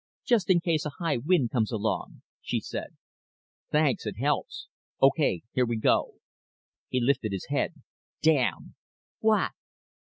"Just in case a high wind comes along," she said. "Thanks. It helps. Okay, here we go." He lifted his head. "Damn." "What?"